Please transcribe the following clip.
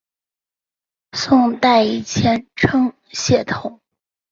宋代以前称解头。